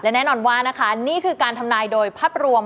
แน่นอนว่านะคะนี่คือการทำนายโดยภาพรวม